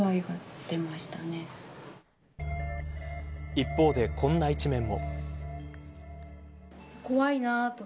一方でこんな一面も。